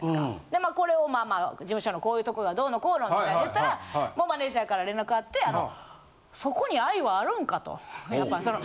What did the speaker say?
でまあこれをまあまあ事務所のこういうとこがどうのこうのみたいな言ったらマネージャーから連絡あってそこに愛はあるんか？とやっぱその。